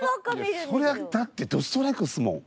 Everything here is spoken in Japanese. そりゃだってどストライクですもん。